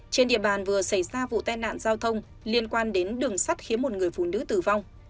trên địa bàn vừa xảy ra vụ tai nạn giao thông liên quan đến đường sắt khiến một người phụ nữ tử vong